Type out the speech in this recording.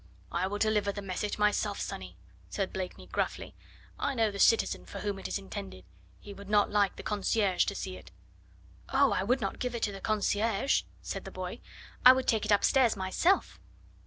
"I will deliver the message myself, sonny," said Blakeney gruffly. "I know the citizen for whom it is intended. He would not like the concierge to see it." "Oh! I would not give it to the concierge," said the boy. "I would take it upstairs myself."